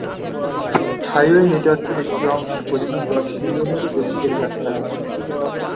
Highway নেটওয়ার্কের একটি অংশে প্রতিদিন দশ মিলিয়নেরও বেশি লোক যাত্রা করে।